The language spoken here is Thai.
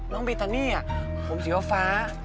น้องเบตตานีอ่ะผมสีฟ้าฟ้า